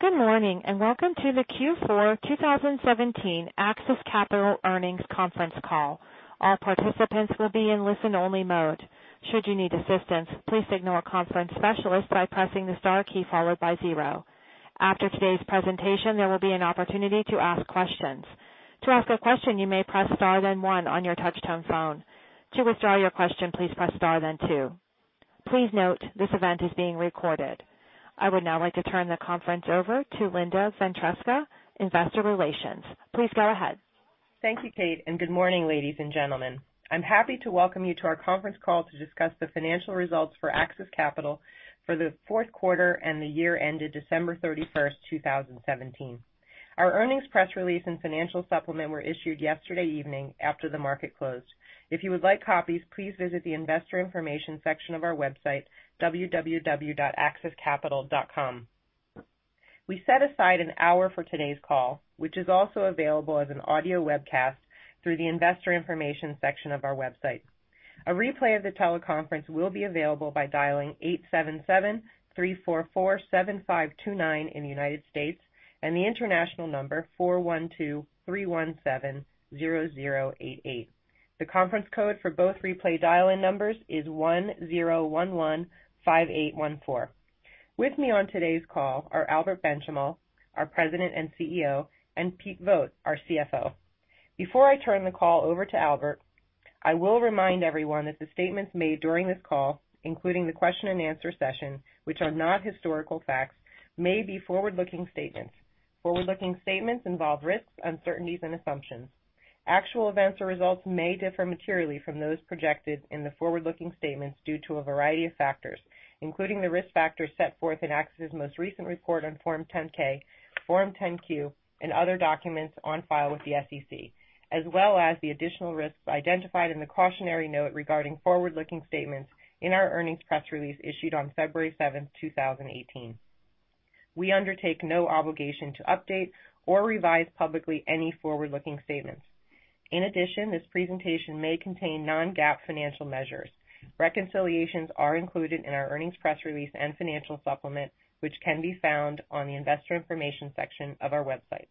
Good morning, and welcome to the Q4 2017 AXIS Capital Earnings Conference Call. All participants will be in listen-only mode. Should you need assistance, please signal a conference specialist by pressing the star key followed by zero. After today's presentation, there will be an opportunity to ask questions. To ask a question, you may press star then one on your touch-tone phone. To withdraw your question, please press star then two. Please note, this event is being recorded. I would now like to turn the conference over to Linda Ventresca, Head of Investor Relations. Please go ahead. Thank you, Kate, and good morning, ladies and gentlemen. I'm happy to welcome you to our conference call to discuss the financial results for AXIS Capital for the fourth quarter and the year ended December 31st, 2017. Our earnings press release and financial supplement were issued yesterday evening after the market closed. If you would like copies, please visit the investor information section of our website, www.axiscapital.com. We set aside an hour for today's call, which is also available as an audio webcast through the investor information section of our website. A replay of the teleconference will be available by dialing 877-344-7529 in the United States and the international number 412-317-0088. The conference code for both replay dial-in numbers is 10115814. With me on today's call are Albert Benchimol, our President and CEO, and Pete Vogt, our CFO. Before I turn the call over to Albert, I will remind everyone that the statements made during this call, including the question and answer session, which are not historical facts, may be forward-looking statements. Forward-looking statements involve risks, uncertainties, and assumptions. Actual events or results may differ materially from those projected in the forward-looking statements due to a variety of factors, including the risk factors set forth in AXIS's most recent report on Form 10-K, Form 10-Q, and other documents on file with the SEC, as well as the additional risks identified in the cautionary note regarding forward-looking statements in our earnings press release issued on February 7th, 2018. We undertake no obligation to update or revise publicly any forward-looking statements. In addition, this presentation may contain non-GAAP financial measures. Reconciliations are included in our earnings press release and financial supplement, which can be found on the investor information section of our website.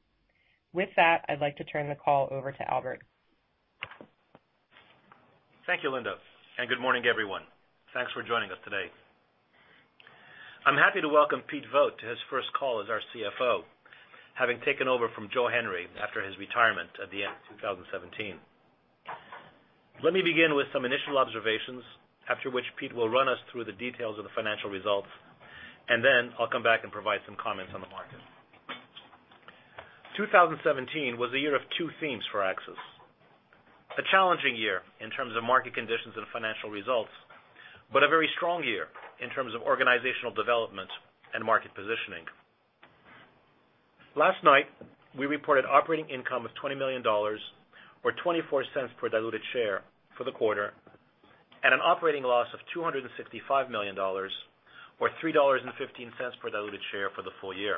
With that, I'd like to turn the call over to Albert. Thank you, Linda, good morning, everyone. Thanks for joining us today. I'm happy to welcome Pete Vogt to his first call as our CFO, having taken over from Joe Henry after his retirement at the end of 2017. Let me begin with some initial observations, after which Pete will run us through the details of the financial results, then I'll come back and provide some comments on the market. 2017 was a year of two themes for AXIS. A challenging year in terms of market conditions and financial results, but a very strong year in terms of organizational development and market positioning. Last night, we reported operating income of $20 million, or $0.24 per diluted share for the quarter, and an operating loss of $265 million, or $3.15 per diluted share for the full year.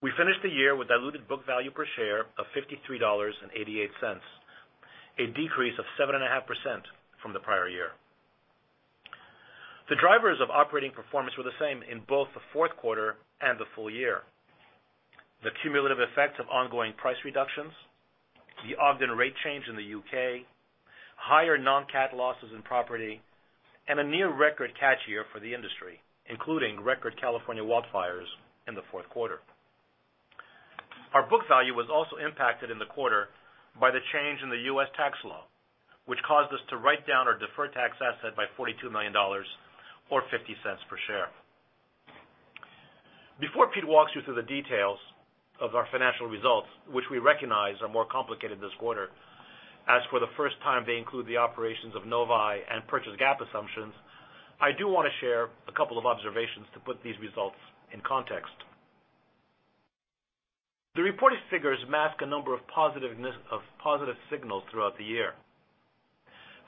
We finished the year with diluted book value per share of $53.88, a decrease of 7.5% from the prior year. The drivers of operating performance were the same in both the fourth quarter and the full year. The cumulative effects of ongoing price reductions, the Ogden rate change in the U.K., higher non-cat losses in property, and a near-record cat year for the industry, including record California wildfires in the fourth quarter. Our book value was also impacted in the quarter by the change in the U.S. tax law, which caused us to write down our deferred tax asset by $42 million, or $0.50 per share. Before Peter walks you through the details of our financial results, which we recognize are more complicated this quarter, as for the first time, they include the operations of Novae and purchase GAAP assumptions, I do want to share a couple of observations to put these results in context. The reported figures mask a number of positive signals throughout the year.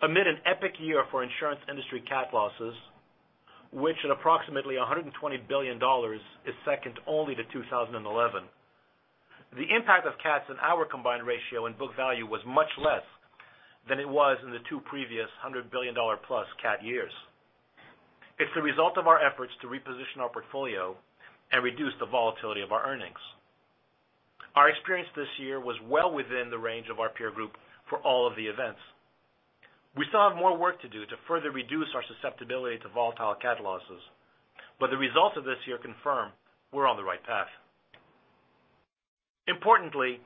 Amid an epic year for insurance industry cat losses, which at approximately $120 billion, is second only to 2011, the impact of cats on our combined ratio and book value was much less than it was in the two previous hundred billion dollar-plus cat years. It's the result of our efforts to reposition our portfolio and reduce the volatility of our earnings. Our experience this year was well within the range of our peer group for all of the events. We still have more work to do to further reduce our susceptibility to volatile cat losses, the results of this year confirm we're on the right path. Importantly,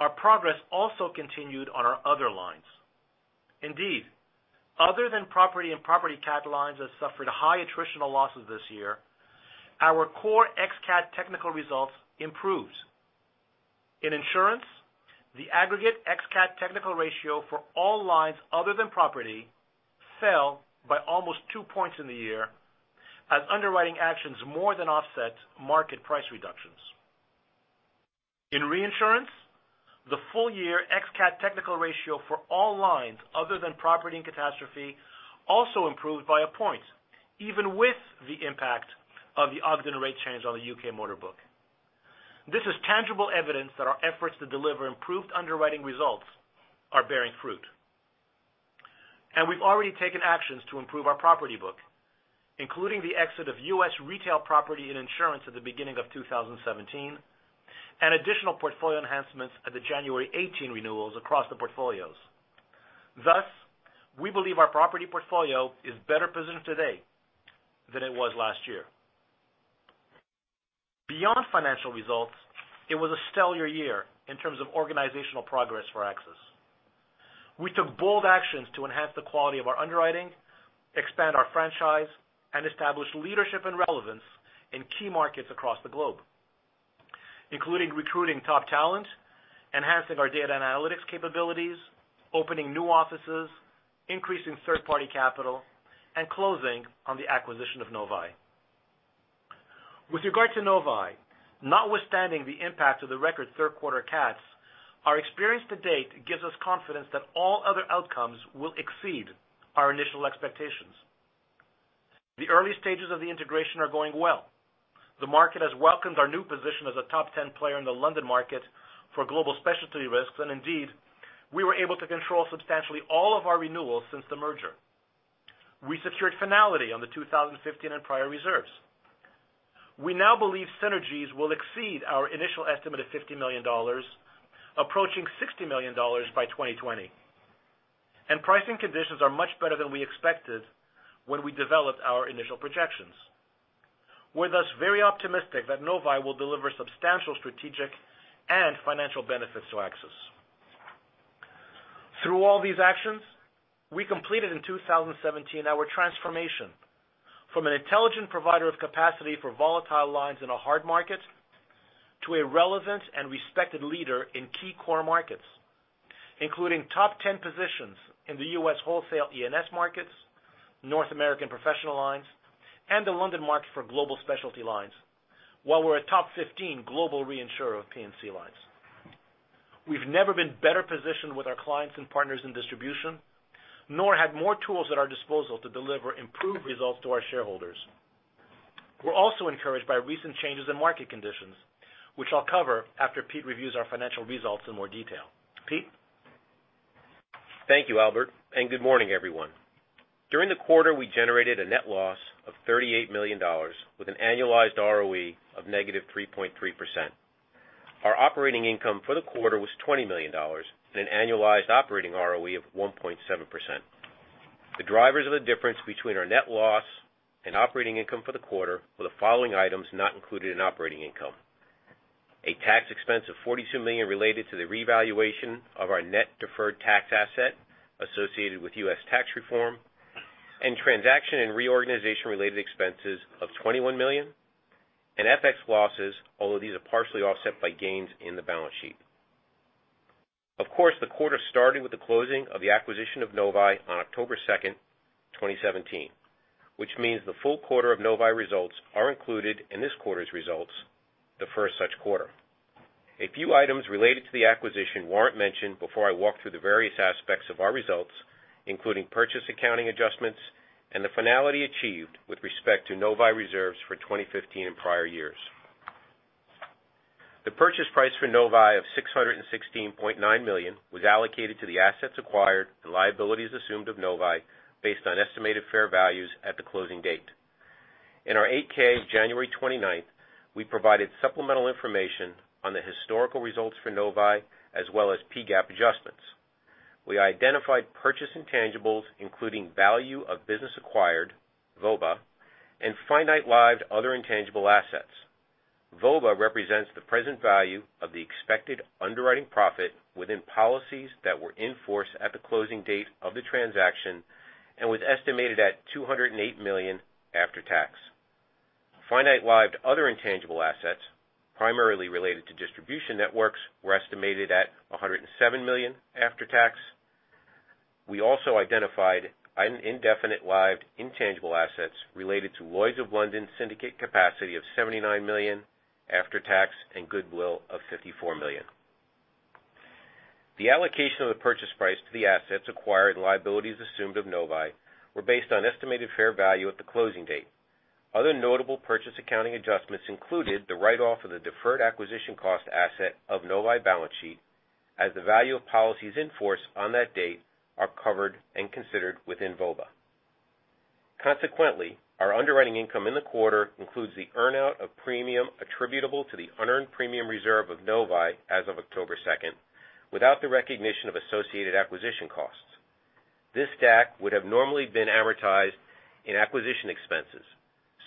our progress also continued on our other lines. Other than property and property cat lines that suffered high attritional losses this year, our core ex-cat technical results improved. In insurance, the aggregate ex-cat technical ratio for all lines other than property fell by almost two points in the year as underwriting actions more than offset market price reductions. In reinsurance, the full-year ex-cat technical ratio for all lines other than property and catastrophe also improved by a point, even with the impact of the Ogden rate change on the U.K. motor book. This is tangible evidence that our efforts to deliver improved underwriting results are bearing fruit. We've already taken actions to improve our property book, including the exit of U.S. retail property and insurance at the beginning of 2017, and additional portfolio enhancements at the January 2018 renewals across the portfolios. Thus, we believe our property portfolio is better positioned today than it was last year. Beyond financial results, it was a stellar year in terms of organizational progress for AXIS. We took bold actions to enhance the quality of our underwriting, expand our franchise, and establish leadership and relevance in key markets across the globe, including recruiting top talent, enhancing our data and analytics capabilities, opening new offices, increasing third-party capital, and closing on the acquisition of Novae. With regard to Novae, notwithstanding the impact of the record third quarter cats, our experience to date gives us confidence that all other outcomes will exceed our initial expectations. The early stages of the integration are going well. The market has welcomed our new position as a top 10 player in the London market for global specialty risks, and indeed, we were able to control substantially all of our renewals since the merger. We secured finality on the 2015 and prior reserves. We now believe synergies will exceed our initial estimate of $50 million, approaching $60 million by 2020. Pricing conditions are much better than we expected when we developed our initial projections. We're thus very optimistic that Novae will deliver substantial strategic and financial benefits to AXIS. Through all these actions, we completed in 2017 our transformation from an intelligent provider of capacity for volatile lines in a hard market to a relevant and respected leader in key core markets, including top 10 positions in the U.S. wholesale E&S markets, North American professional lines, and the London market for global specialty lines. While we're a top 15 global reinsurer of P&C lines. We've never been better positioned with our clients and partners in distribution, nor had more tools at our disposal to deliver improved results to our shareholders. We're also encouraged by recent changes in market conditions, which I'll cover after Pete reviews our financial results in more detail. Pete? Thank you, Albert, and good morning, everyone. During the quarter, we generated a net loss of $38 million with an annualized ROE of negative 3.3%. Our operating income for the quarter was $20 million and an annualized operating ROE of 1.7%. The drivers of the difference between our net loss and operating income for the quarter were the following items not included in operating income. A tax expense of $42 million related to the revaluation of our net deferred tax asset associated with U.S. tax reform and transaction and reorganization-related expenses of $21 million and FX losses, although these are partially offset by gains in the balance sheet. Of course, the quarter started with the closing of the acquisition of Novae on October 2nd, 2017, which means the full quarter of Novae results are included in this quarter's results, the first such quarter. A few items related to the acquisition warrant mention before I walk through the various aspects of our results, including purchase accounting adjustments and the finality achieved with respect to Novae reserves for 2015 and prior years. The purchase price for Novae of $616.9 million was allocated to the assets acquired and liabilities assumed of Novae based on estimated fair values at the closing date. In our 8-K of January 29th, we provided supplemental information on the historical results for Novae, as well as PGAAP adjustments. We identified purchase intangibles, including value of business acquired, VOBA, and finite lived other intangible assets. VOBA represents the present value of the expected underwriting profit within policies that were in force at the closing date of the transaction and was estimated at $208 million after tax. Finite lived other intangible assets, primarily related to distribution networks, were estimated at $107 million after tax. We also identified indefinite lived intangible assets related to Lloyd's of London syndicate capacity of $79 million after tax and goodwill of $54 million. The allocation of the purchase price to the assets acquired and liabilities assumed of Novae were based on estimated fair value at the closing date. Other notable purchase accounting adjustments included the write-off of the deferred acquisition cost asset of Novae balance sheet as the value of policies in force on that date are covered and considered within VOBA. Consequently, our underwriting income in the quarter includes the earn-out of premium attributable to the unearned premium reserve of Novae as of October 2nd, without the recognition of associated acquisition costs. This DAC would have normally been amortized in acquisition expenses.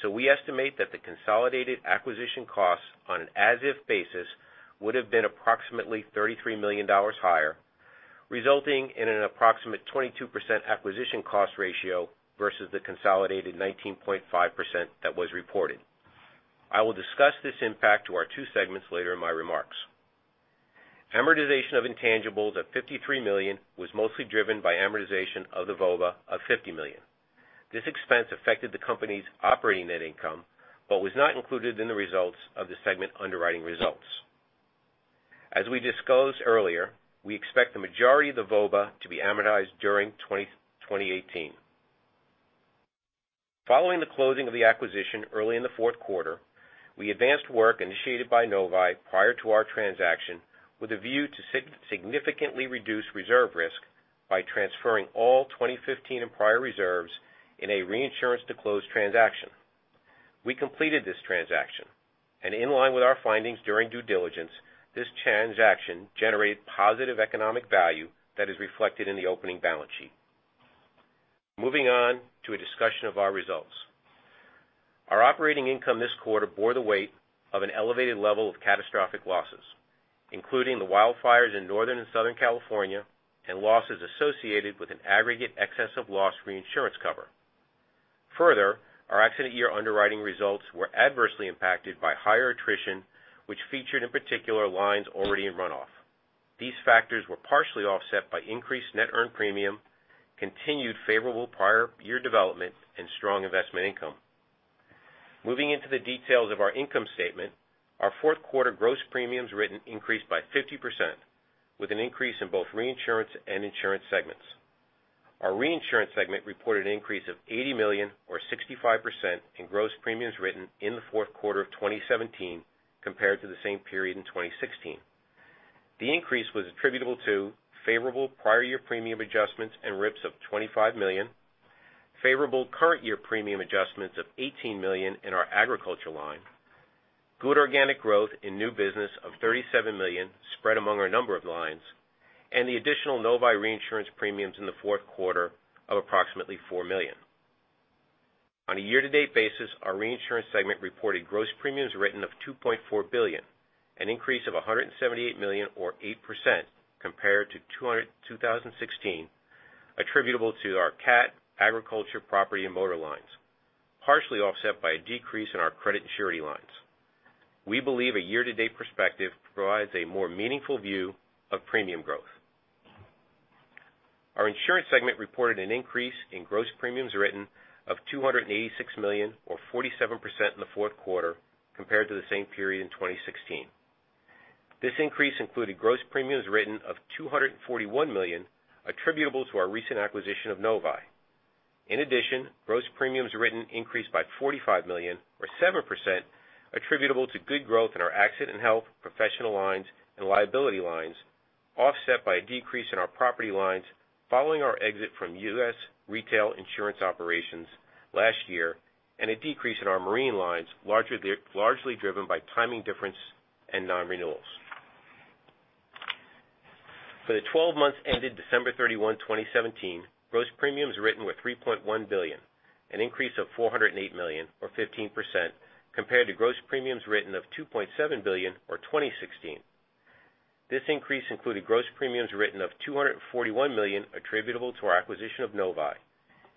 We estimate that the consolidated acquisition costs on an as-if basis would have been approximately $33 million higher, resulting in an approximate 22% acquisition cost ratio versus the consolidated 19.5% that was reported. I will discuss this impact to our two segments later in my remarks. Amortization of intangibles of $53 million was mostly driven by amortization of the VOBA of $50 million. This expense affected the company's operating net income but was not included in the results of the segment underwriting results. As we disclosed earlier, we expect the majority of the VOBA to be amortized during 2018. Following the closing of the acquisition early in the fourth quarter, we advanced work initiated by Novae prior to our transaction with a view to significantly reduce reserve risk by transferring all 2015 and prior reserves in a reinsurance to close transaction. We completed this transaction, in line with our findings during due diligence, this transaction generated positive economic value that is reflected in the opening balance sheet. Moving on to a discussion of our results. Our operating income this quarter bore the weight of an elevated level of catastrophic losses, including the wildfires in Northern and Southern California, and losses associated with an aggregate excess of loss reinsurance cover. Our accident year underwriting results were adversely impacted by higher attrition, which featured in particular lines already in runoff. These factors were partially offset by increased net earned premium, continued favorable prior year development, and strong investment income. Moving into the details of our income statement, our fourth quarter gross premiums written increased by 50%, with an increase in both reinsurance and insurance segments. Our reinsurance segment reported an increase of $80 million or 65% in gross premiums written in the fourth quarter of 2017 compared to the same period in 2016. The increase was attributable to favorable prior year premium adjustments and RITC of $25 million, favorable current year premium adjustments of $18 million in our agriculture line, good organic growth in new business of $37 million spread among a number of lines, and the additional Novae reinsurance premiums in the fourth quarter of approximately $4 million. On a year-to-date basis, our reinsurance segment reported gross premiums written of $2.4 billion, an increase of $178 million or 8% compared to 2016, attributable to our cat, agriculture, property, and motor lines, partially offset by a decrease in our credit and surety lines. We believe a year-to-date perspective provides a more meaningful view of premium growth. Our insurance segment reported an increase in gross premiums written of $286 million, or 47%, in the fourth quarter compared to the same period in 2016. This increase included gross premiums written of $241 million attributable to our recent acquisition of Novae. In addition, gross premiums written increased by $45 million, or 7%, attributable to good growth in our A&H, pro lines, and liability lines, offset by a decrease in our property lines following our exit from U.S. retail insurance operations last year, and a decrease in our marine lines, largely driven by timing difference and non-renewals. For the 12 months ended December 31, 2017, gross premiums written were $3.1 billion, an increase of $408 million or 15%, compared to gross premiums written of $2.7 billion for 2016. This increase included gross premiums written of $241 million attributable to our acquisition of Novae.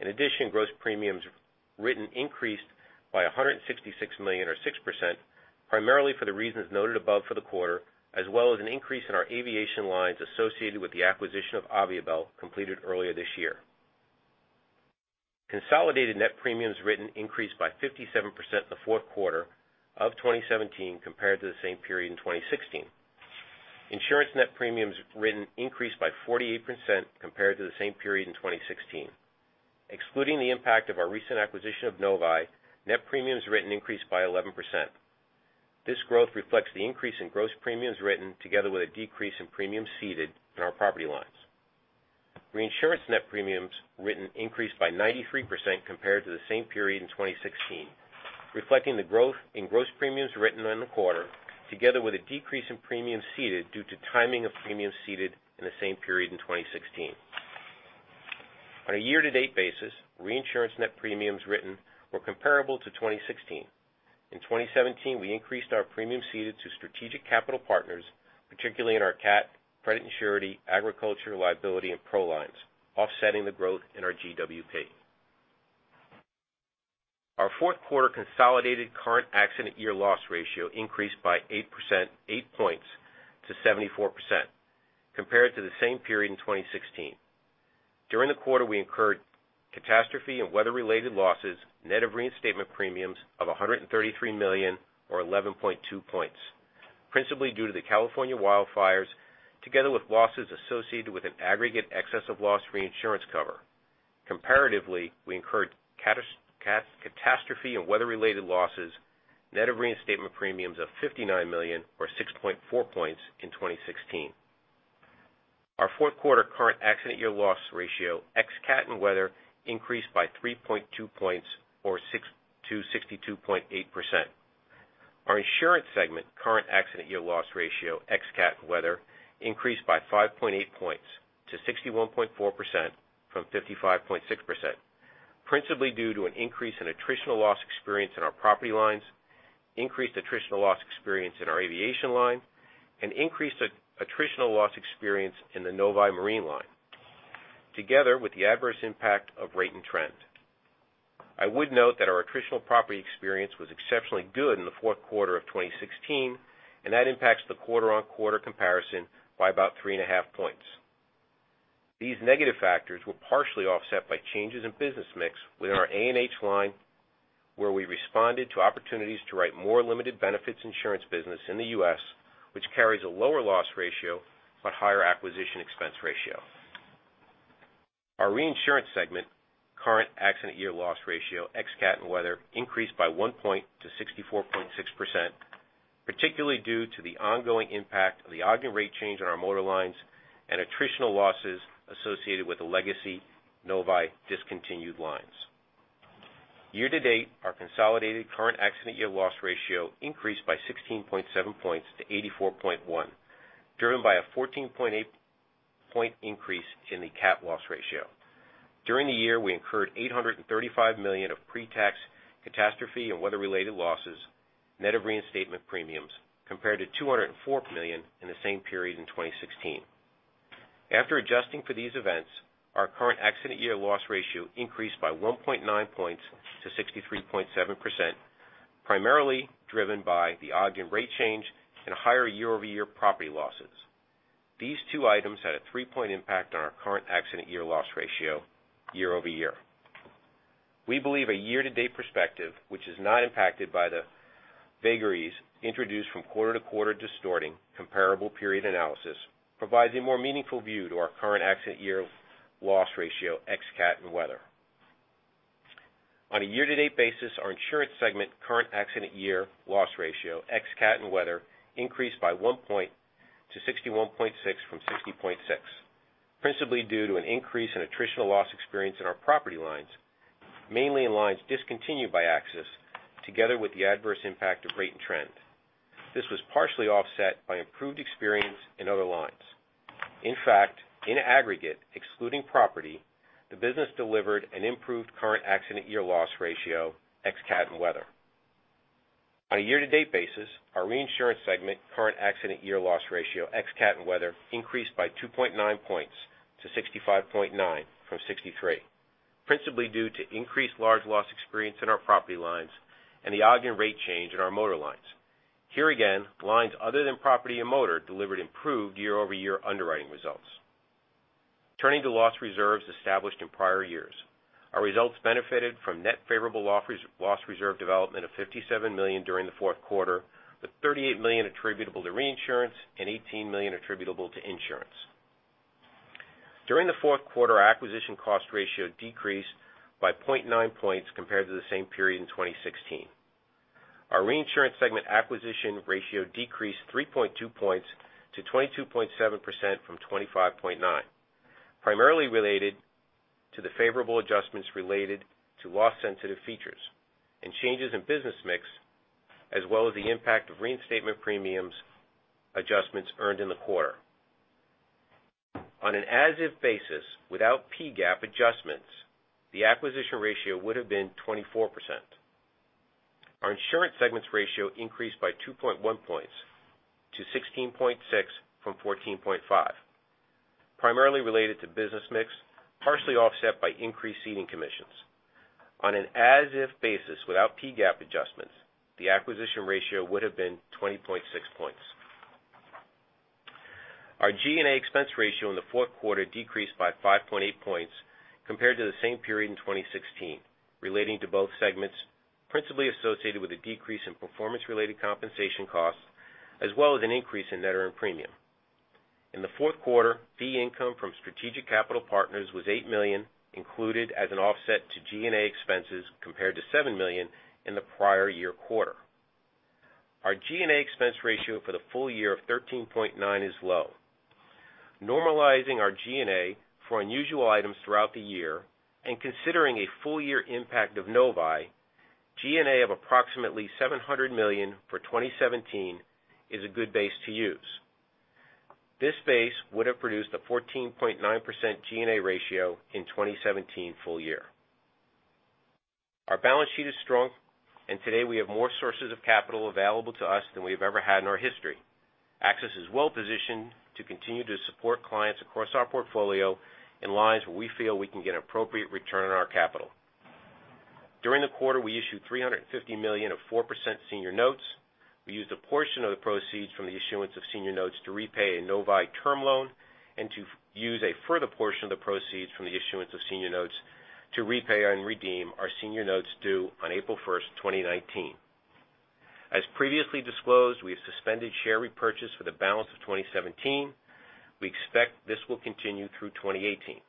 In addition, gross premiums written increased by $166 million or 6%, primarily for the reasons noted above for the quarter, as well as an increase in our aviation lines associated with the acquisition of Aviabel completed earlier this year. Consolidated net premiums written increased by 57% in the fourth quarter of 2017 compared to the same period in 2016. Insurance net premiums written increased by 48% compared to the same period in 2016. Excluding the impact of our recent acquisition of Novae, net premiums written increased by 11%. This growth reflects the increase in gross premiums written together with a decrease in premiums ceded in our property lines. Reinsurance net premiums written increased by 93% compared to the same period in 2016, reflecting the growth in gross premiums written in the quarter, together with a decrease in premiums ceded due to timing of premiums ceded in the same period in 2016. On a year-to-date basis, reinsurance net premiums written were comparable to 2016. In 2017, we increased our premiums ceded to strategic capital partners, particularly in our cat, credit and surety, agriculture, liability, and pro lines, offsetting the growth in our GWP. Our fourth quarter consolidated current accident year loss ratio increased by 8 points to 74%, compared to the same period in 2016. During the quarter, we incurred catastrophe and weather-related losses, net of reinstatement premiums of $133 million or 11.2 points, principally due to the California wildfires, together with losses associated with an aggregate excess of loss reinsurance cover. Comparatively, we incurred catastrophe and weather-related losses, net of reinstatement premiums of $59 million or 6.4 points in 2016. Our fourth quarter current accident year loss ratio ex cat and weather increased by 3.2 points or to 62.8%. Our insurance segment current accident year loss ratio ex cat and weather increased by 5.8 points to 61.4% from 55.6%, principally due to an increase in attritional loss experience in our property lines, increased attritional loss experience in our aviation line, and increased attritional loss experience in the Novae marine line, together with the adverse impact of rate and trend. I would note that our attritional property experience was exceptionally good in the fourth quarter of 2016, and that impacts the quarter-on-quarter comparison by about three and a half points. These negative factors were partially offset by changes in business mix within our A&H line where we responded to opportunities to write more limited benefits insurance business in the U.S., which carries a lower loss ratio but higher acquisition expense ratio. Our reinsurance segment current accident year loss ratio ex cat and weather increased by one point to 64.6%, particularly due to the ongoing impact of the Ogden rate change on our motor lines and attritional losses associated with the legacy Novae discontinued lines. Year-to-date, our consolidated current accident year loss ratio increased by 16.7 points to 84.1%, driven by a 14.8 point increase in the cat loss ratio. During the year, we incurred $835 million of pre-tax catastrophe and weather-related losses, net of reinstatement premiums, compared to $204 million in the same period in 2016. After adjusting for these events, our current accident year loss ratio increased by 1.9 points to 63.7%, primarily driven by the Ogden rate change and higher year-over-year property losses. These two items had a three-point impact on our current accident year loss ratio year-over-year. We believe a year-to-date perspective, which is not impacted by the vagaries introduced from quarter-to-quarter distorting comparable period analysis, provides a more meaningful view to our current accident year loss ratio ex cat and weather. On a year-to-date basis, our insurance segment current accident year loss ratio ex cat and weather increased by one point to 61.6% from 60.6%, principally due to an increase in attritional loss experience in our property lines, mainly in lines discontinued by AXIS, together with the adverse impact of rate and trend. This was partially offset by improved experience in other lines. In fact, in aggregate, excluding property, the business delivered an improved current accident year loss ratio ex cat and weather. On a year-to-date basis, our reinsurance segment current accident year loss ratio ex cat and weather increased by 2.9 points to 65.9% from 63%, principally due to increased large loss experience in our property lines and the Ogden rate change in our motor lines. Here again, lines other than property and motor delivered improved year-over-year underwriting results. Turning to loss reserves established in prior years. Our results benefited from net favorable loss reserve development of $57 million during the fourth quarter, with $38 million attributable to reinsurance and $18 million attributable to insurance. During the fourth quarter, our acquisition cost ratio decreased by 0.9 points compared to the same period in 2016. Our reinsurance segment acquisition ratio decreased 3.2 points to 22.7% from 25.9, primarily related to the favorable adjustments related to loss-sensitive features and changes in business mix, as well as the impact of reinstatement premiums adjustments earned in the quarter. On an as-if basis, without PGAAP adjustments, the acquisition ratio would have been 24%. Our insurance segments ratio increased by 2.1 points to 16.6 from 14.5, primarily related to business mix, partially offset by increased ceding commissions. On an as-if basis, without PGAAP adjustments, the acquisition ratio would have been 20.6 points. Our G&A expense ratio in the fourth quarter decreased by 5.8 points compared to the same period in 2016, relating to both segments, principally associated with a decrease in performance-related compensation costs, as well as an increase in net earned premium. In the fourth quarter, fee income from strategic capital partners was $8 million, included as an offset to G&A expenses compared to $7 million in the prior year quarter. Our G&A expense ratio for the full year of 13.9 is low. Normalizing our G&A for unusual items throughout the year and considering a full year impact of Novae, G&A of approximately $700 million for 2017 is a good base to use. This base would have produced a 14.9% G&A ratio in 2017 full year. Our balance sheet is strong. Today we have more sources of capital available to us than we have ever had in our history. AXIS is well positioned to continue to support clients across our portfolio in lines where we feel we can get appropriate return on our capital. During the quarter, we issued $350 million of 4% senior notes. We used a portion of the proceeds from the issuance of senior notes to repay a Novae term loan and to use a further portion of the proceeds from the issuance of senior notes to repay and redeem our senior notes due on April 1st, 2019. As previously disclosed, we have suspended share repurchase for the balance of 2017. We expect this will continue through 2018.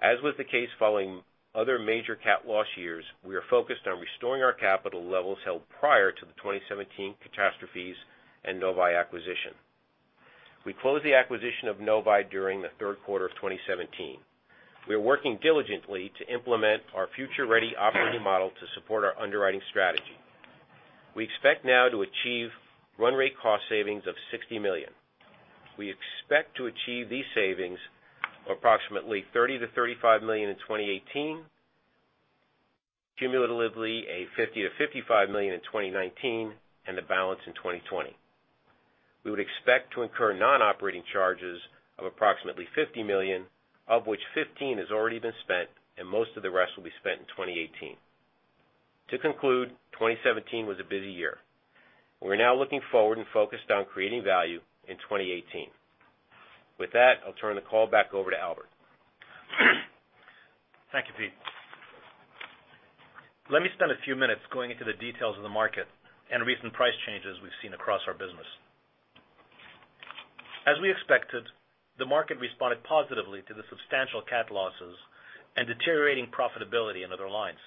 As was the case following other major cat loss years, we are focused on restoring our capital levels held prior to the 2017 catastrophes and Novae acquisition. We closed the acquisition of Novae during the fourth quarter of 2017. We are working diligently to implement our future-ready operating model to support our underwriting strategy. We expect now to achieve run rate cost savings of $60 million. We expect to achieve these savings of approximately $30 million-$35 million in 2018, cumulatively $50 million-$55 million in 2019, and the balance in 2020. We would expect to incur non-operating charges of approximately $50 million, of which 15 has already been spent. Most of the rest will be spent in 2018. To conclude, 2017 was a busy year. We're now looking forward and focused on creating value in 2018. With that, I'll turn the call back over to Albert. Thank you, Pete. Let me spend a few minutes going into the details of the market and recent price changes we've seen across our business. As we expected, the market responded positively to the substantial CAT losses and deteriorating profitability in other lines.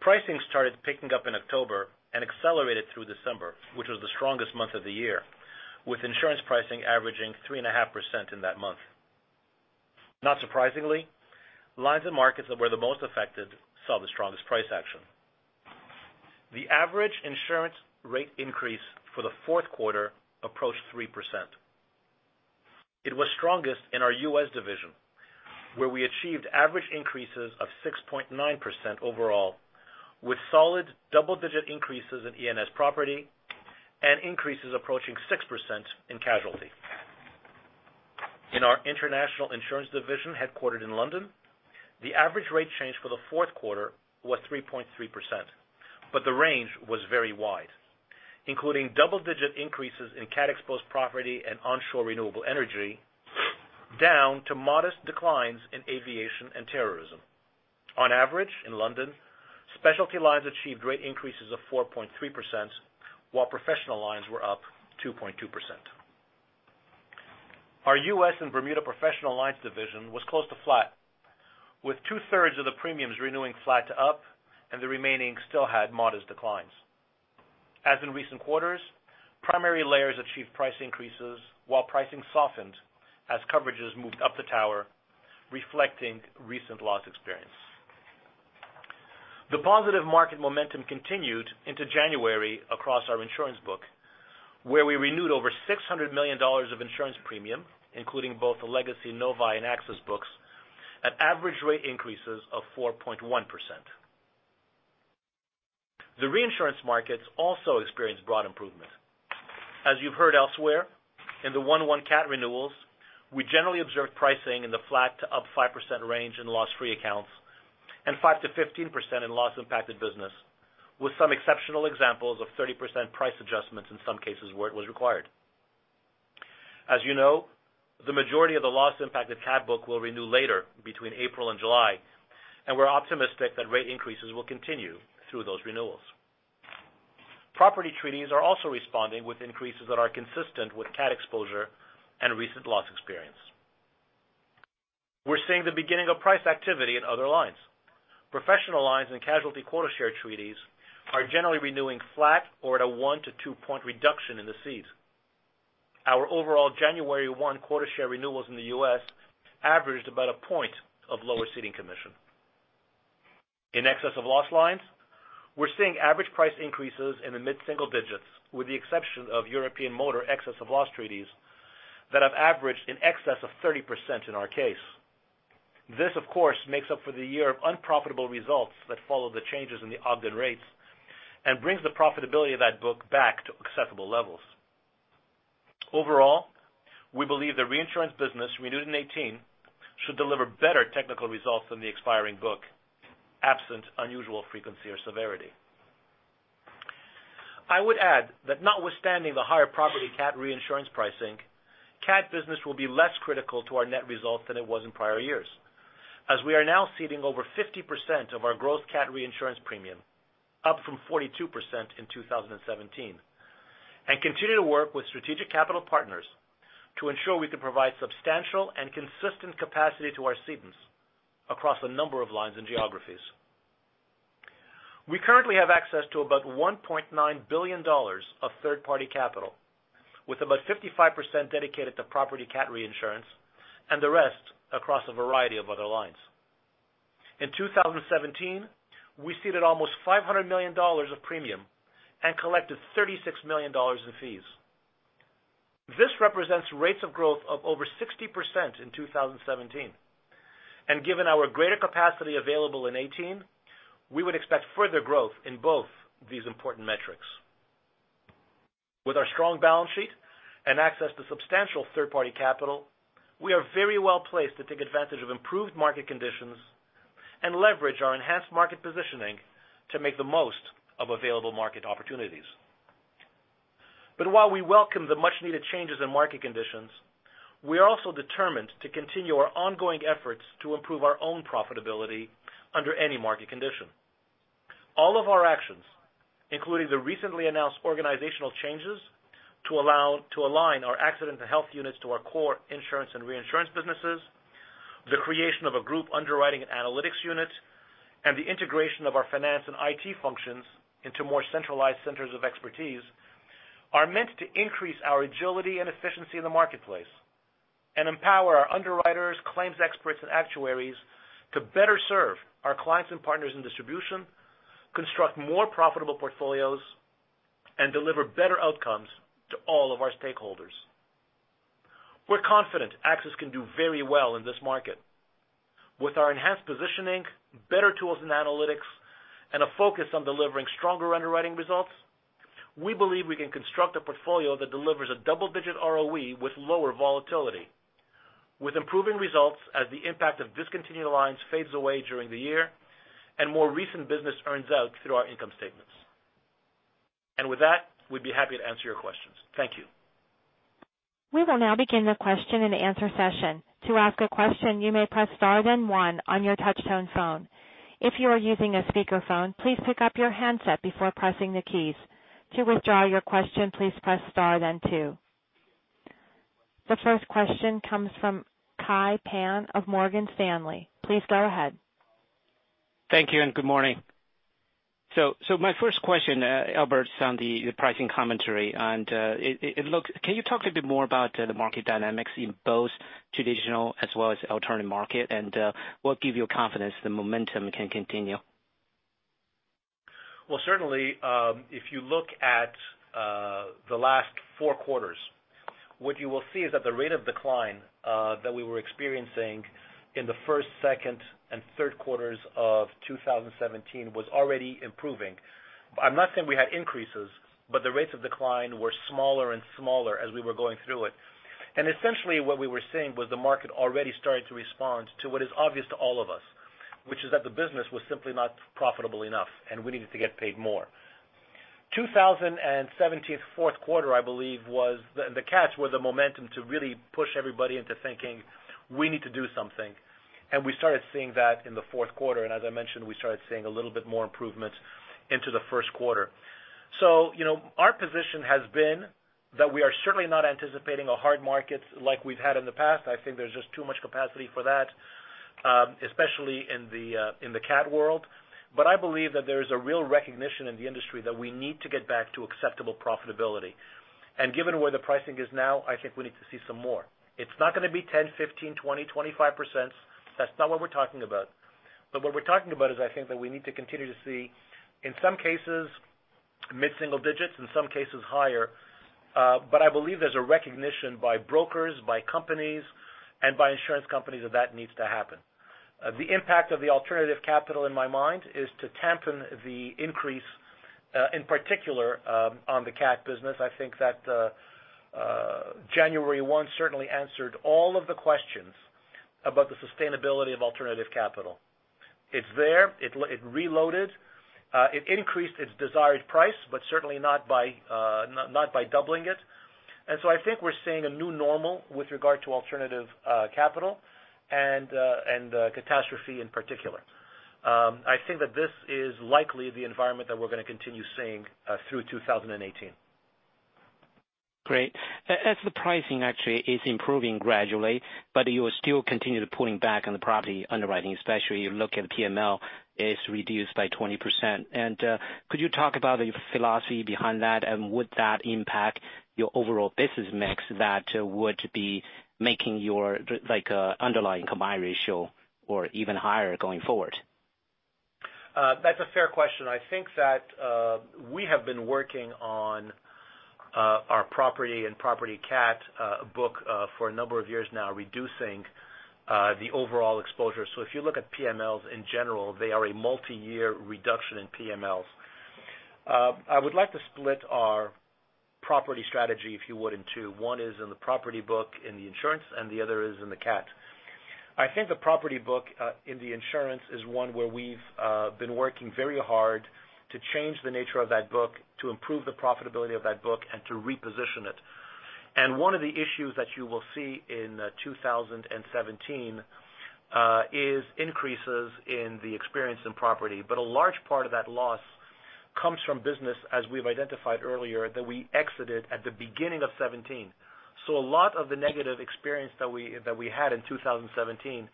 Pricing started picking up in October and accelerated through December, which was the strongest month of the year, with insurance pricing averaging 3.5% in that month. Not surprisingly, lines and markets that were the most affected saw the strongest price action. The average insurance rate increase for the fourth quarter approached 3%. It was strongest in our U.S. division, where we achieved average increases of 6.9% overall, with solid double-digit increases in E&S property and increases approaching 6% in casualty. In our international insurance division headquartered in London, the average rate change for the fourth quarter was 3.3%, but the range was very wide, including double-digit increases in CAT-exposed property and onshore renewable energy, down to modest declines in aviation and terrorism. On average, in London, specialty lines achieved rate increases of 4.3%, while professional lines were up 2.2%. Our U.S. and Bermuda professional lines division was close to flat, with two-thirds of the premiums renewing flat to up, and the remaining still had modest declines. As in recent quarters, primary layers achieved price increases while pricing softened as coverages moved up the tower, reflecting recent loss experience. The positive market momentum continued into January across our insurance book, where we renewed over $600 million of insurance premium, including both the legacy Novae and AXIS books, at average rate increases of 4.1%. The reinsurance markets also experienced broad improvement. As you've heard elsewhere, in the 1/1 CAT renewals, we generally observed pricing in the flat to up 5% range in loss-free accounts, and 5%-15% in loss-impacted business, with some exceptional examples of 30% price adjustments in some cases where it was required. As you know, the majority of the loss-impacted CAT book will renew later, between April and July, and we're optimistic that rate increases will continue through those renewals. Property treaties are also responding with increases that are consistent with CAT exposure and recent loss experience. We're seeing the beginning of price activity in other lines. Professional lines and casualty quarter share treaties are generally renewing flat or at a one- to two-point reduction in the cedes. Our overall January 1 quarter share renewals in the U.S. averaged about a point of lower ceding commission. In excess of loss lines, we're seeing average price increases in the mid-single digits, with the exception of European motor excess of loss treaties that have averaged in excess of 30% in our case. This, of course, makes up for the year of unprofitable results that followed the changes in the Ogden rates and brings the profitability of that book back to acceptable levels. Overall, we believe the reinsurance business renewed in 2018 should deliver better technical results than the expiring book, absent unusual frequency or severity. I would add that notwithstanding the higher property CAT reinsurance pricing, CAT business will be less critical to our net results than it was in prior years, as we are now ceding over 50% of our growth CAT reinsurance premium, up from 42% in 2017, and continue to work with strategic capital partners to ensure we can provide substantial and consistent capacity to our cedents across a number of lines and geographies. We currently have access to about $1.9 billion of third-party capital, with about 55% dedicated to property CAT reinsurance and the rest across a variety of other lines. In 2017, we ceded almost $500 million of premium and collected $36 million in fees. This represents rates of growth of over 60% in 2017, and given our greater capacity available in 2018, we would expect further growth in both these important metrics. With our strong balance sheet and access to substantial third-party capital, we are very well placed to take advantage of improved market conditions and leverage our enhanced market positioning to make the most of available market opportunities. While we welcome the much-needed changes in market conditions, we are also determined to continue our ongoing efforts to improve our own profitability under any market condition. All of our actions, including the recently announced organizational changes to align our accident and health units to our core insurance and reinsurance businesses, the creation of a group underwriting analytics unit, and the integration of our finance and IT functions into more centralized centers of expertise, are meant to increase our agility and efficiency in the marketplace and empower our underwriters, claims experts, and actuaries to better serve our clients and partners in distribution, construct more profitable portfolios, and deliver better outcomes to all of our stakeholders. We're confident AXIS can do very well in this market. With our enhanced positioning, better tools and analytics, and a focus on delivering stronger underwriting results, we believe we can construct a portfolio that delivers a double-digit ROE with lower volatility, with improving results as the impact of discontinued lines fades away during the year, and more recent business earns out through our income statements. With that, we'd be happy to answer your questions. Thank you. We will now begin the question and answer session. To ask a question, you may press star then one on your touch-tone phone. If you are using a speakerphone, please pick up your handset before pressing the keys. To withdraw your question, please press star then two. The first question comes from Kai Pan of Morgan Stanley. Please go ahead. Thank you, good morning. My first question, Albert, is on the pricing commentary, can you talk a little bit more about the market dynamics in both traditional as well as alternative market and what gives you confidence the momentum can continue? Well, certainly, if you look at the last four quarters, what you will see is that the rate of decline that we were experiencing in the first, second, and third quarters of 2017 was already improving. I'm not saying we had increases, but the rates of decline were smaller and smaller as we were going through it. Essentially what we were seeing was the market already starting to respond to what is obvious to all of us, which is that the business was simply not profitable enough, and we needed to get paid more. 2017's fourth quarter, I believe, was the CAT with the momentum to really push everybody into thinking we need to do something, and we started seeing that in the fourth quarter, and as I mentioned, we started seeing a little bit more improvements into the first quarter. Our position has been that we are certainly not anticipating a hard market like we've had in the past. I think there's just too much capacity for that, especially in the CAT world. I believe that there is a real recognition in the industry that we need to get back to acceptable profitability. Given where the pricing is now, I think we need to see some more. It's not going to be 10%, 15%, 20%, 25%. That's not what we're talking about. What we're talking about is I think that we need to continue to see, in some cases, mid-single digits, in some cases higher. I believe there's a recognition by brokers, by companies, and by insurance companies that that needs to happen. The impact of the alternative capital, in my mind, is to dampen the increase, in particular, on the CAT business. I think that January 1 certainly answered all of the questions about the sustainability of alternative capital. It's there. It reloaded. It increased its desired price, but certainly not by doubling it. I think we're seeing a new normal with regard to alternative capital and catastrophe in particular. I think that this is likely the environment that we're going to continue seeing through 2018. Great. As the pricing actually is improving gradually, but you are still continuing pulling back on the property underwriting, especially you look at PML is reduced by 20%. Could you talk about the philosophy behind that? Would that impact your overall business mix that would be making your underlying combined ratio or even higher going forward? That's a fair question. I think that we have been working on our property and property cat book for a number of years now, reducing the overall exposure. If you look at PMLs in general, they are a multi-year reduction in PMLs. I would like to split our property strategy, if you would, in two. One is in the property book in the insurance, and the other is in the cat. I think the property book in the insurance is one where we've been working very hard to change the nature of that book, to improve the profitability of that book, and to reposition it. One of the issues that you will see in 2017 is increases in the experience in property. A large part of that loss comes from business, as we've identified earlier, that we exited at the beginning of 2017. A lot of the negative experience that we had in 2017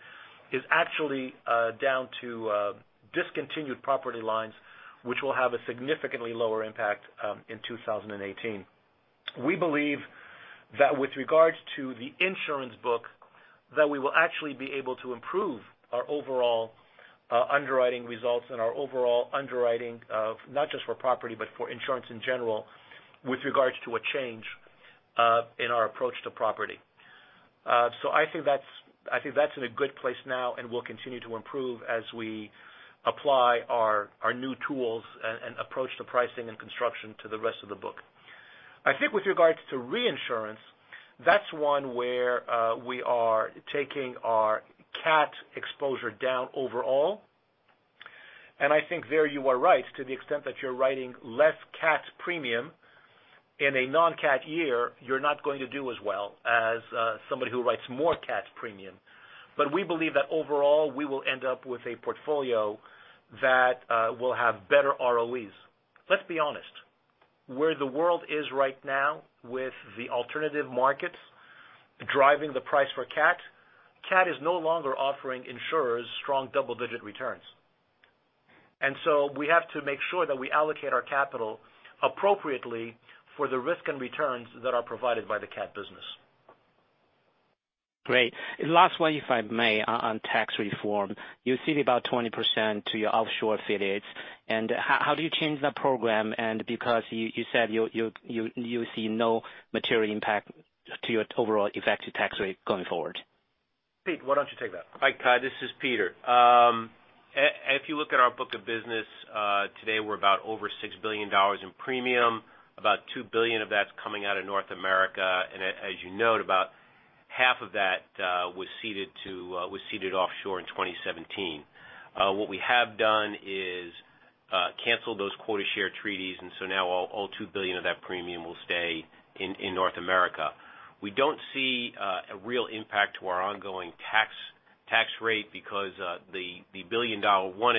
is actually down to discontinued property lines, which will have a significantly lower impact in 2018. We believe that with regards to the insurance book, that we will actually be able to improve our overall underwriting results and our overall underwriting, not just for property, but for insurance in general, with regards to a change in our approach to property. I think that's in a good place now and will continue to improve as we apply our new tools and approach to pricing and construction to the rest of the book. I think with regards to reinsurance, that's one where we are taking our cat exposure down overall. I think there you are right to the extent that you're writing less cat premium in a non-cat year, you're not going to do as well as somebody who writes more cat premium. We believe that overall we will end up with a portfolio that will have better ROEs. Let's be honest. Where the world is right now with the alternative markets driving the price for cat is no longer offering insurers strong double-digit returns. We have to make sure that we allocate our capital appropriately for the risk and returns that are provided by the cat business. Great. Last one, if I may, on tax reform. You said about 20% to your offshore affiliates, how do you change that program? Because you said you see no material impact to your overall effective tax rate going forward. Pete, why don't you take that? Hi, Kai. This is Peter. If you look at our book of business today, we're about over $6 billion in premium, about $2 billion of that's coming out of North America, as you note, about half of that was ceded offshore in 2017. What we have done is cancel those quota share treaties, so now all $2 billion of that premium will stay in North America. We don't see a real impact to our ongoing tax rate because the $1 billion, one,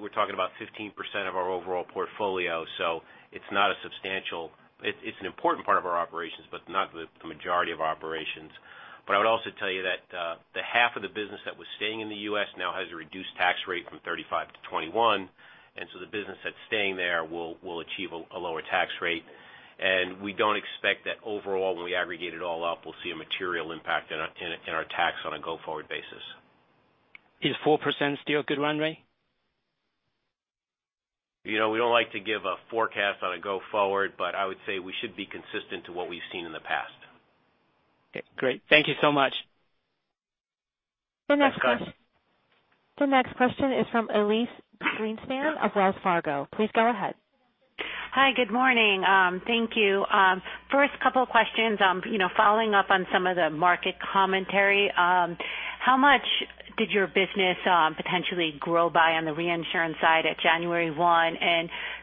we're talking about 15% of our overall portfolio, so it's an important part of our operations, but not the majority of operations. I would also tell you that the half of the business that was staying in the U.S. now has a reduced tax rate from 35% to 21%, so the business that's staying there will achieve a lower tax rate. We don't expect that overall, when we aggregate it all up, we'll see a material impact in our tax on a go-forward basis. Is 4% still a good run rate? We don't like to give a forecast on a go forward, but I would say we should be consistent to what we've seen in the past. Okay, great. Thank you so much. Thanks, Kai. The next question is from Elyse Greenspan of Wells Fargo. Please go ahead. Hi, good morning. Thank you. First couple of questions following up on some of the market commentary. How much did your business potentially grow by on the reinsurance side at January 1?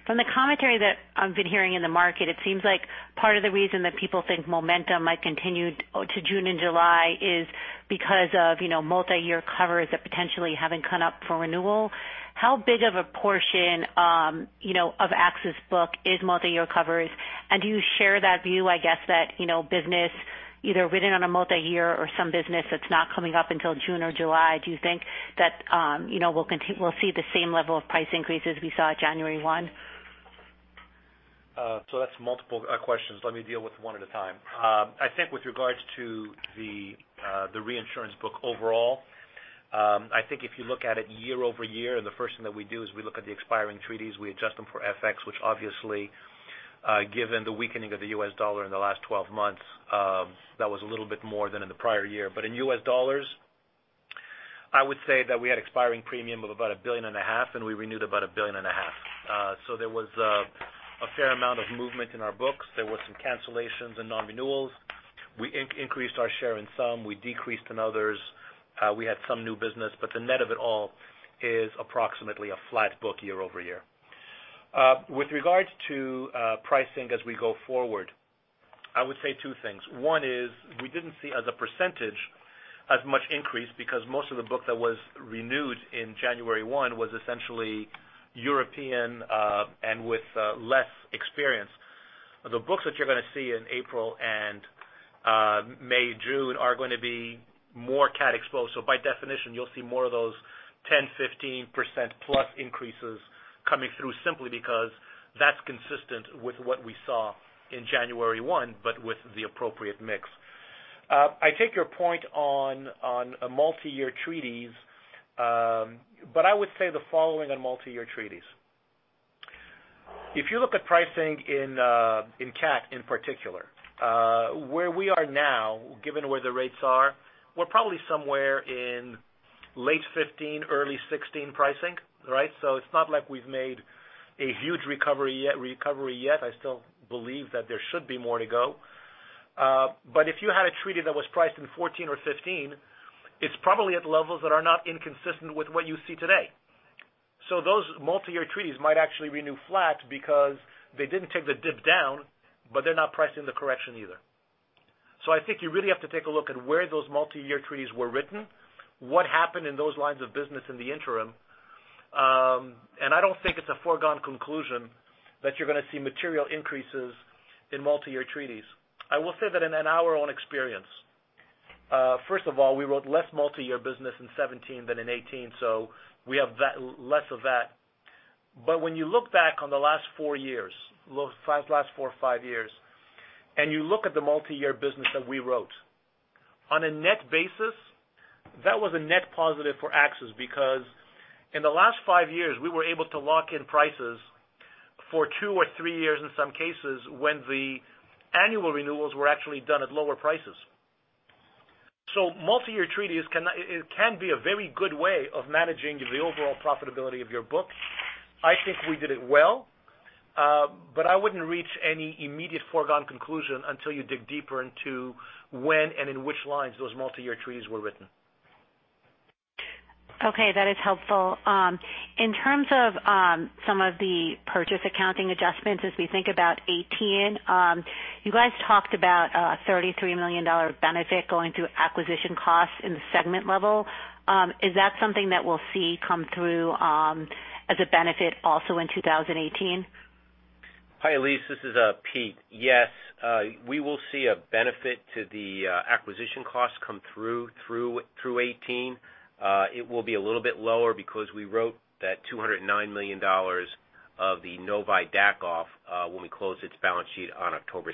From the commentary that I've been hearing in the market, it seems like part of the reason that people think momentum might continue to June and July is because of multi-year covers that potentially haven't come up for renewal. How big of a portion of AXIS book is multi-year covers, and do you share that view, I guess that business either written on a multi-year or some business that's not coming up until June or July? Do you think that we'll see the same level of price increases we saw January 1? That's multiple questions. Let me deal with one at a time. I think with regards to the reinsurance book overall, I think if you look at it year-over-year, the first thing that we do is we look at the expiring treaties, we adjust them for FX, which obviously given the weakening of the U.S. dollar in the last 12 months, that was a little bit more than in the prior year. In U.S. dollars, I would say that we had expiring premium of about a billion and a half, and we renewed about a billion and a half. There was a fair amount of movement in our books. There were some cancellations and non-renewals. We increased our share in some. We decreased in others. We had some new business, but the net of it all is approximately a flat book year-over-year. With regards to pricing as we go forward, I would say two things. One is we didn't see as a percentage as much increase because most of the book that was renewed in January 1 was essentially European and with less experience. The books that you're going to see in April and May, June are going to be more CAT exposed. By definition, you'll see more of those 10%, 15% plus increases coming through simply because that's consistent with what we saw in January 1, but with the appropriate mix. I take your point on a multi-year treaties, but I would say the following on multi-year treaties. If you look at pricing in CAT in particular, where we are now, given where the rates are, we're probably somewhere in late 2015, early 2016 pricing, right? It's not like we've made a huge recovery yet. I still believe that there should be more to go. If you had a treaty that was priced in 2014 or 2015, it's probably at levels that are not inconsistent with what you see today. Those multi-year treaties might actually renew flat because they didn't take the dip down, but they're not pricing the correction either. I think you really have to take a look at where those multi-year treaties were written, what happened in those lines of business in the interim, and I don't think it's a foregone conclusion that you're going to see material increases in multi-year treaties. I will say that in our own experience, first of all, we wrote less multi-year business in 2017 than in 2018, so we have less of that. When you look back on the last four or five years, and you look at the multi-year business that we wrote, on a net basis, that was a net positive for AXIS because in the last five years, we were able to lock in prices for two or three years in some cases when the annual renewals were actually done at lower prices. Multi-year treaties can be a very good way of managing the overall profitability of your book. I think we did it well, but I wouldn't reach any immediate foregone conclusion until you dig deeper into when and in which lines those multi-year treaties were written. Okay, that is helpful. In terms of some of the purchase accounting adjustments as we think about 2018, you guys talked about a $33 million benefit going through acquisition costs in the segment level. Is that something that we'll see come through as a benefit also in 2018? Hi, Elyse. This is Pete. Yes, we will see a benefit to the acquisition cost come through 2018. It will be a little bit lower because we wrote that $209 million of the Novae DAC off when we closed its balance sheet on October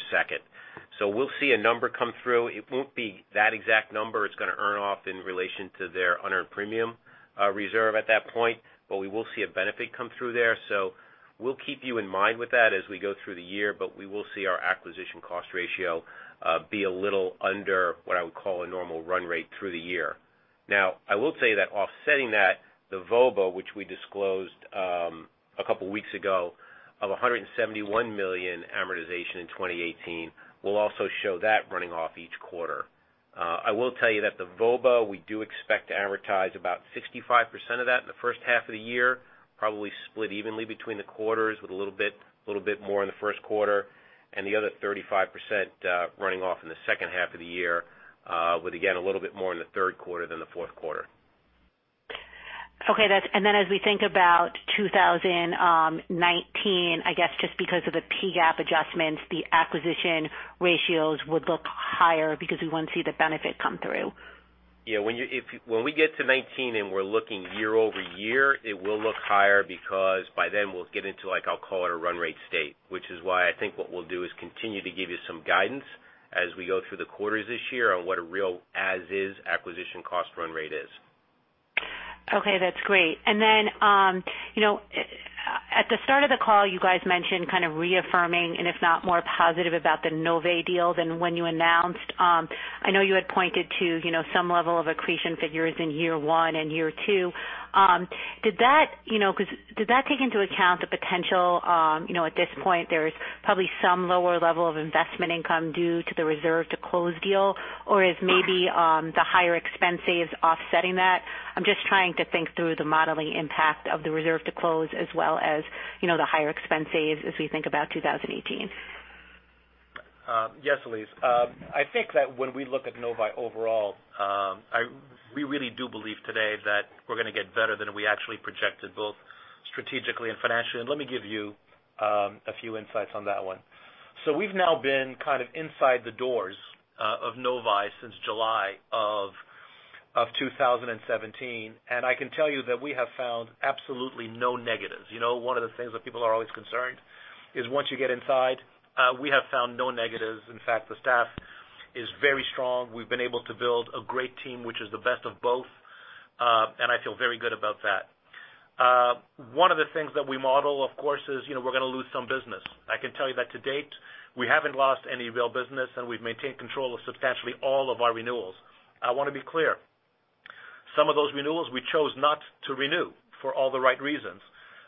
2. We'll see a number come through. It won't be that exact number it's going to earn off in relation to their unearned premium reserve at that point, but we will see a benefit come through there. We'll keep you in mind with that as we go through the year, but we will see our acquisition cost ratio be a little under what I would call a normal run rate through the year. Now, I will say that offsetting that, the VOBA, which we disclosed a couple of weeks ago, of $171 million amortization in 2018, will also show that running off each quarter. I will tell you that the VOBA, we do expect to amortize about 65% of that in the first half of the year, probably split evenly between the quarters with a little bit more in the first quarter and the other 35% running off in the second half of the year, with again, a little bit more in the third quarter than the fourth quarter. Okay. As we think about 2019, I guess just because of the PGAAP adjustments, the acquisition ratios would look higher because we wouldn't see the benefit come through. Yeah. When we get to 2019 and we're looking year-over-year, it will look higher because by then we'll get into like, I'll call it a run rate state, which is why I think what we'll do is continue to give you some guidance as we go through the quarters this year on what a real as is acquisition cost run rate is. Okay, that's great. At the start of the call, you guys mentioned kind of reaffirming and if not more positive about the Novae deal than when you announced. I know you had pointed to some level of accretion figures in year one and year two. Did that take into account the potential, at this point, there is probably some lower level of investment income due to the reinsurance to close deal, or is maybe the higher expenses offsetting that? I'm just trying to think through the modeling impact of the reinsurance to close as well as the higher expenses as we think about 2018. Yes, Elyse. I think that when we look at Novae overall, we really do believe today that we're going to get better than we actually projected, both strategically and financially. Let me give you a few insights on that one. We've now been kind of inside the doors of Novae since July of 2017, and I can tell you that we have found absolutely no negatives. One of the things that people are always concerned is once you get inside, we have found no negatives. In fact, the staff is very strong. We've been able to build a great team, which is the best of both. I feel very good about that. One of the things that we model, of course, is we're going to lose some business. I can tell you that to date, we haven't lost any real business, and we've maintained control of substantially all of our renewals. I want to be clear. Some of those renewals we chose not to renew for all the right reasons,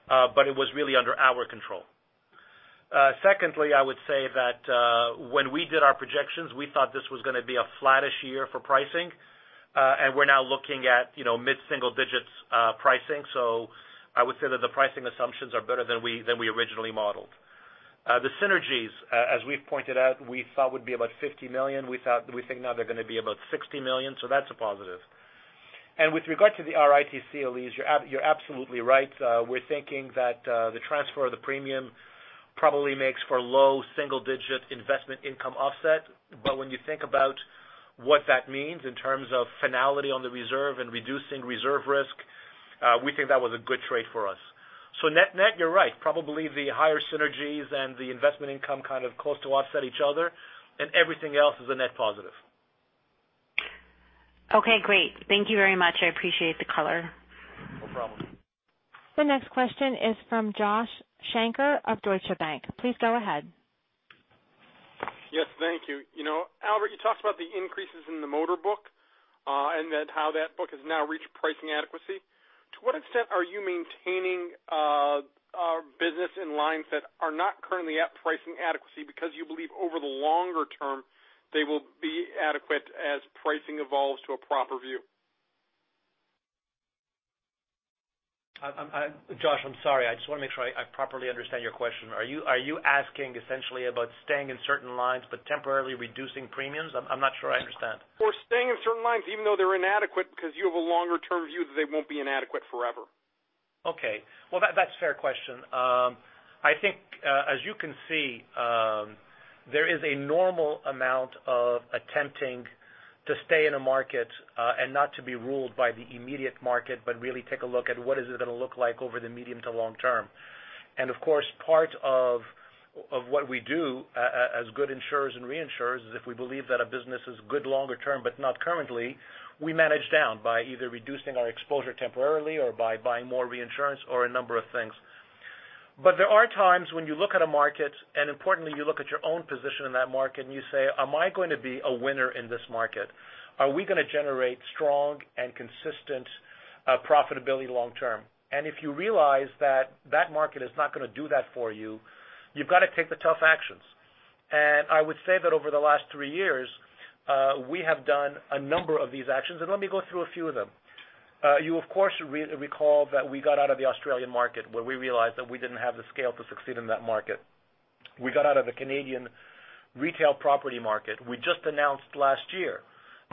but it was really under our control. Secondly, I would say that, when we did our projections, we thought this was going to be a flattish year for pricing. We're now looking at mid-single digits pricing. I would say that the pricing assumptions are better than we originally modeled. The synergies, as we've pointed out, we thought would be about $50 million. We think now they're going to be about $60 million, that's a positive. With regard to the RITC, Elyse, you're absolutely right. We're thinking that the transfer of the premium probably makes for low single digit investment income offset. When you think about what that means in terms of finality on the reserve and reducing reserve risk, we think that was a good trade for us. Net-net, you're right. Probably the higher synergies and the investment income kind of close to offset each other and everything else is a net positive. Okay, great. Thank you very much. I appreciate the color. No problem. The next question is from Josh Shanker of Deutsche Bank. Please go ahead. Yes, thank you. Albert, you talked about the increases in the motor book, and then how that book has now reached pricing adequacy. To what extent are you maintaining business in lines that are not currently at pricing adequacy because you believe over the longer term, they will be adequate as pricing evolves to a proper view? Josh, I'm sorry. I just want to make sure I properly understand your question. Are you asking essentially about staying in certain lines but temporarily reducing premiums? I'm not sure I understand. For staying in certain lines, even though they're inadequate because you have a longer term view that they won't be inadequate forever. Okay. Well, that's a fair question. I think, as you can see, there is a normal amount of attempting to stay in a market, not to be ruled by the immediate market, but really take a look at what is it going to look like over the medium to long term. Of course, part of what we do as good insurers and reinsurers is if we believe that a business is good longer term, but not currently, we manage down by either reducing our exposure temporarily or by buying more reinsurance or a number of things. There are times when you look at a market, and importantly, you look at your own position in that market and you say, "Am I going to be a winner in this market? Are we going to generate strong and consistent profitability long term?" If you realize that that market is not going to do that for you've got to take the tough actions. I would say that over the last three years, we have done a number of these actions, and let me go through a few of them. You of course recall that we got out of the Australian market where we realized that we didn't have the scale to succeed in that market. We got out of the Canadian retail property market. We just announced last year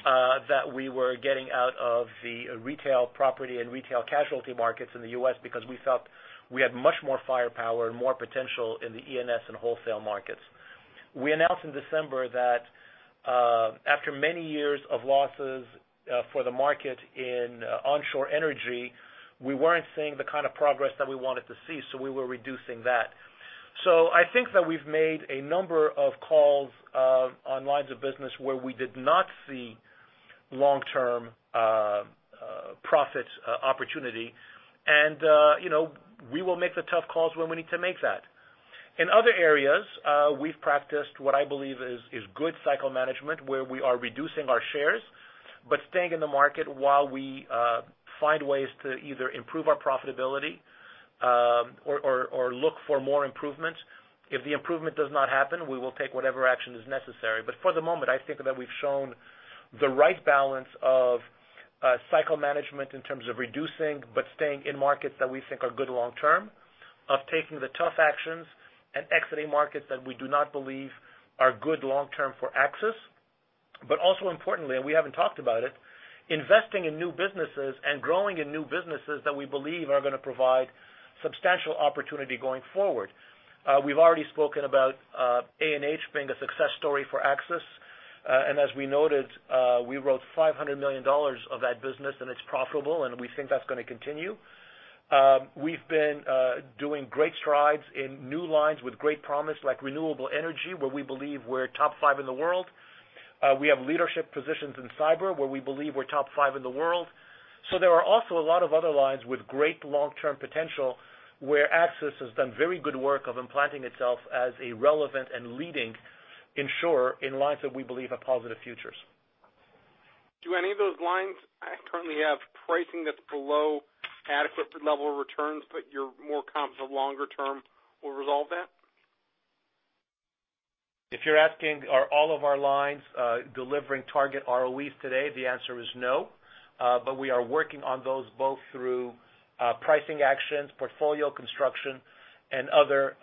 that we were getting out of the retail property and retail casualty markets in the U.S. because we felt we had much more firepower and more potential in the E&S and wholesale markets. We announced in December that after many years of losses for the market in onshore energy, we weren't seeing the kind of progress that we wanted to see, we were reducing that. I think that we've made a number of calls on lines of business where we did not see long-term Profit opportunity. We will make the tough calls when we need to make that. In other areas, we've practiced what I believe is good cycle management, where we are reducing our shares, but staying in the market while we find ways to either improve our profitability or look for more improvement. If the improvement does not happen, we will take whatever action is necessary. For the moment, I think that we've shown the right balance of cycle management in terms of reducing, but staying in markets that we think are good long-term, of taking the tough actions and exiting markets that we do not believe are good long-term for AXIS. Also importantly, and we haven't talked about it, investing in new businesses and growing in new businesses that we believe are going to provide substantial opportunity going forward. We've already spoken about A&H being a success story for AXIS. As we noted, we wrote $500 million of that business, and it's profitable, and we think that's going to continue. We've been doing great strides in new lines with great promise, like renewable energy, where we believe we're top five in the world. We have leadership positions in cyber, where we believe we're top five in the world. There are also a lot of other lines with great long-term potential, where AXIS has done very good work of implanting itself as a relevant and leading insurer in lines that we believe have positive futures. Do any of those lines currently have pricing that's below adequate level returns, but you're more confident longer-term will resolve that? If you're asking are all of our lines delivering target ROEs today? The answer is no. We are working on those both through pricing actions, portfolio construction, and other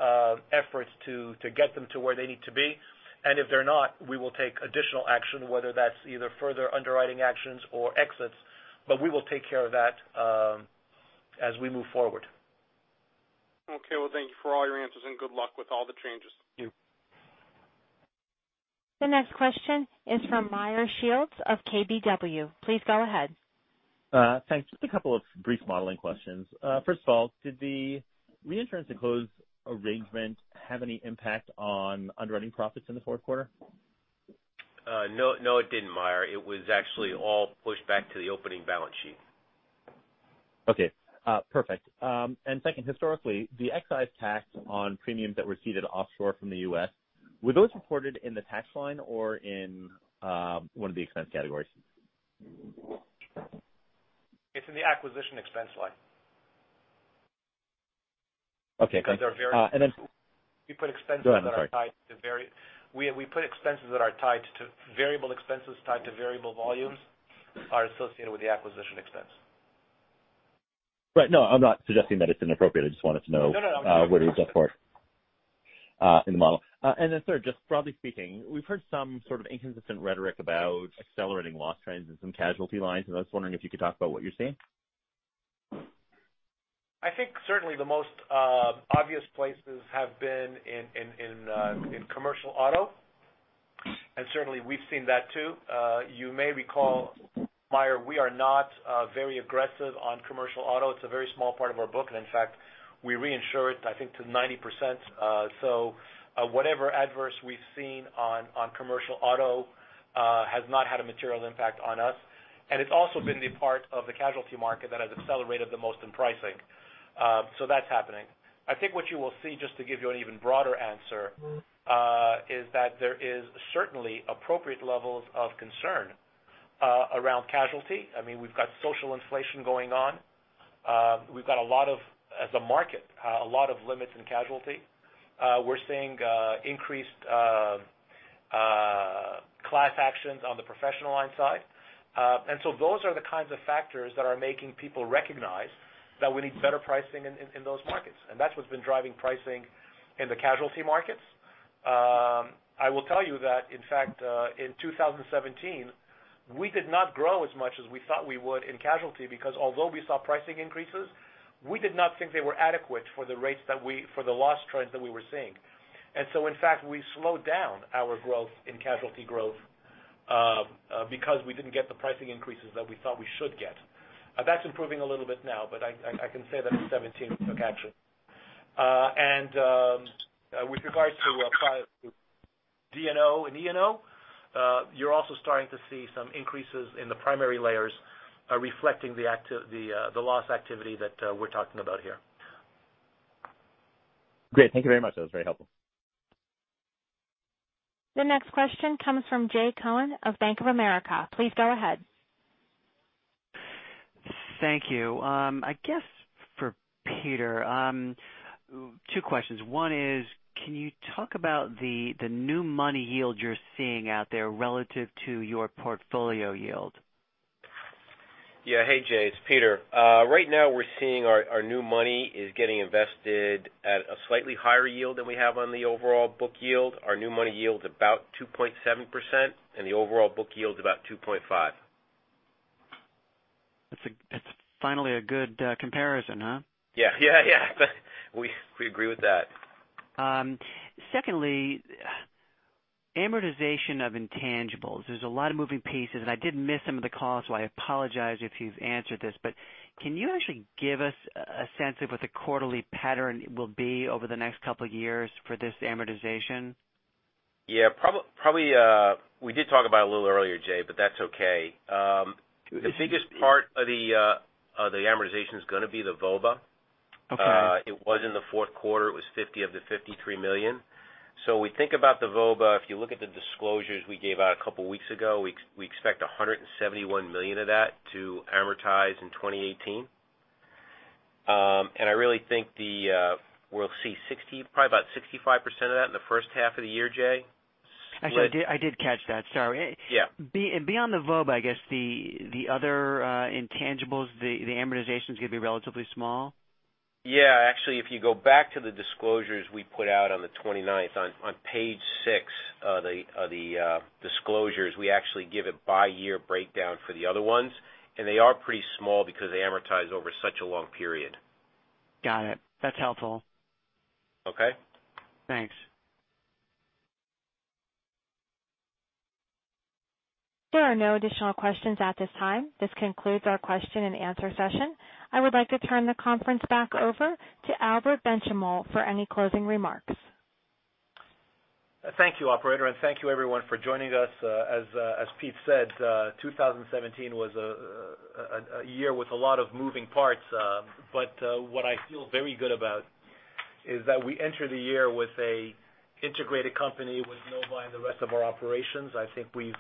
efforts to get them to where they need to be. If they're not, we will take additional action, whether that's either further underwriting actions or exits, but we will take care of that as we move forward. Okay. Well, thank you for all your answers, good luck with all the changes. Thank you. The next question is from Meyer Shields of KBW. Please go ahead. Thanks. Just a couple of brief modeling questions. First of all, did the reinsurance to close arrangement have any impact on underwriting profits in the fourth quarter? No, it didn't, Meyer. It was actually all pushed back to the opening balance sheet. Okay. Perfect. Second, historically, the excise tax on premiums that were ceded offshore from the U.S., were those reported in the tax line or in one of the expense categories? It's in the acquisition expense line. Okay, great. Because they're very- then- We put expenses that are tied to- Go ahead. Sorry. ...variable expenses tied to variable volumes are associated with the acquisition expense. Right. No, I'm not suggesting that it's inappropriate. I just wanted to know- No, I'm just. ...where it was up for in the model. Third, just broadly speaking, we've heard some sort of inconsistent rhetoric about accelerating loss trends in some casualty lines, and I was wondering if you could talk about what you're seeing. I think certainly the most obvious places have been in commercial auto. Certainly, we've seen that too. You may recall, Meyer, we are not very aggressive on commercial auto. It's a very small part of our book, and in fact, we reinsure it, I think, to 90%. Whatever adverse we've seen on commercial auto has not had a material impact on us, and it's also been the part of the casualty market that has accelerated the most in pricing. That's happening. I think what you will see, just to give you an even broader answer, is that there is certainly appropriate levels of concern around casualty. I mean, we've got social inflation going on. We've got, as a market, a lot of limits in casualty. We're seeing increased class actions on the Professional Lines side. Those are the kinds of factors that are making people recognize that we need better pricing in those markets. That's what's been driving pricing in the casualty markets. I will tell you that, in fact, in 2017, we did not grow as much as we thought we would in casualty because although we saw pricing increases, we did not think they were adequate for the loss trends that we were seeing. In fact, we slowed down our growth in casualty growth because we didn't get the pricing increases that we thought we should get. That's improving a little bit now, but I can say that in 2017, we took action. With regards to D&O and E&O, you're also starting to see some increases in the primary layers reflecting the loss activity that we're talking about here. Great. Thank you very much. That was very helpful. The next question comes from Jay Cohen of Bank of America. Please go ahead. Thank you. I guess for Peter, two questions. One is, can you talk about the new money yield you're seeing out there relative to your portfolio yield? Yeah. Hey, Jay, it's Peter. Right now we're seeing our new money is getting invested at a slightly higher yield than we have on the overall book yield. Our new money yield's about 2.7%. The overall book yield's about 2.5%. That's finally a good comparison, huh? Yeah. We agree with that. Secondly, amortization of intangibles. There's a lot of moving pieces, and I did miss some of the call, so I apologize if you've answered this, but can you actually give us a sense of what the quarterly pattern will be over the next couple of years for this amortization? Yeah. We did talk about it a little earlier, Jay, That's okay. The biggest part of the amortization's going to be the VOBA. Okay. It was in the fourth quarter. It was 50 of the $53 million. We think about the VOBA. If you look at the disclosures we gave out a couple of weeks ago, we expect $171 million of that to amortize in 2018. I really think we'll see probably about 65% of that in the first half of the year, Jay. Actually, I did catch that. Sorry. Yeah. Beyond the VOBA, I guess the other intangibles, the amortization's going to be relatively small? Yeah. Actually, if you go back to the disclosures we put out on the 29th, on page six of the disclosures, we actually give a by-year breakdown for the other ones, and they are pretty small because they amortize over such a long period. Got it. That's helpful. Okay. Thanks. There are no additional questions at this time. This concludes our question and answer session. I would like to turn the conference back over to Albert Benchimol for any closing remarks. Thank you, operator, and thank you, everyone, for joining us. As Pete said, 2017 was a year with a lot of moving parts. What I feel very good about is that we enter the year with an integrated company with Novae and the rest of our operations. I think we've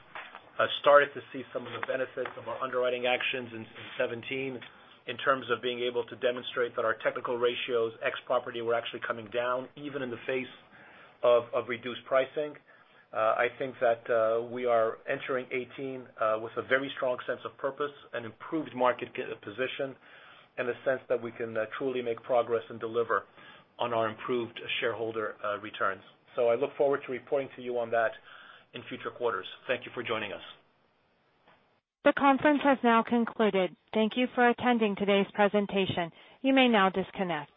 started to see some of the benefits of our underwriting actions in 2017, in terms of being able to demonstrate that our technical ratios, ex property, were actually coming down, even in the face of reduced pricing. I think that we are entering 2018 with a very strong sense of purpose, an improved market position, and a sense that we can truly make progress and deliver on our improved shareholder returns. I look forward to reporting to you on that in future quarters. Thank you for joining us. The conference has now concluded. Thank you for attending today's presentation. You may now disconnect.